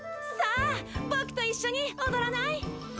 さあぼくと一緒におどらない？